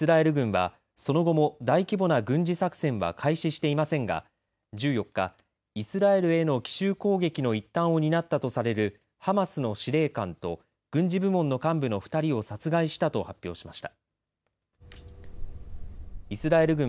イスラエル軍はその後も大規模な軍事作戦は開始していませんが１４日イスラエルへの奇襲攻撃の一端を担ったとされるハマスの司令官と軍事部門の幹部の２人を殺害したと発表しました。